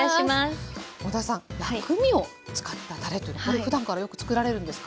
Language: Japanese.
小田さん薬味を使ったたれというとふだんからよく作られるんですか？